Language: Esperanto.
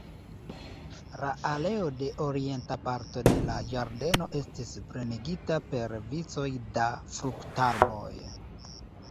La areo de orienta parto de la ĝardeno estis plenigita per vicoj da fruktarboj.